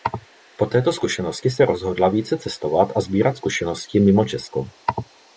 Po této zkušenosti se rozhodla více cestovat a sbírat zkušenosti i mimo Česko.